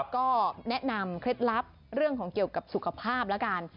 ก็แนะนำเคล็ดลับเรื่องของเกี่ยวกับสุขภาพแล้วกัน